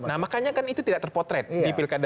nah makanya kan itu tidak terpotret di pilkada